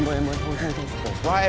tao sợ mày á